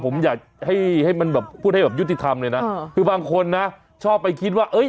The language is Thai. ผมอยากให้มันแบบพูดให้แบบยุติธรรมเลยน่ะอ่าคือบางคนชอบไปคิดว่าเอ๊ะ